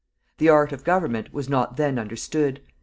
The art of government was not then understood.